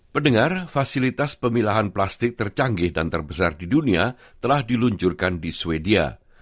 pendengar fasilitas pemilahan plastik tercanggih dan terbesar di dunia telah diluncurkan di sweden